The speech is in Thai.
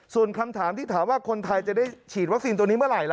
ส่วนคำถามที่ถามว่าคนไทยจะได้ฉีดวัคซีนตัวนี้เมื่อไหร่ล่ะ